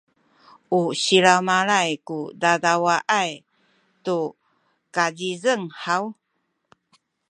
u silamalay ku dadawaay tu kazizeng haw?